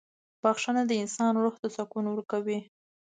• بخښنه د انسان روح ته سکون ورکوي.